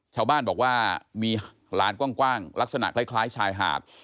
ชาวบ้านบอกว่ามีลานกว้างลักษณะคล้ายชายหาด